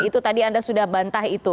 itu tadi anda sudah bantah itu